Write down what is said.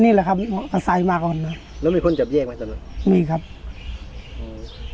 นี่แหละครับอาศัยมาก่อนแล้วมีคนจับแยกไหมครับมีครับอืม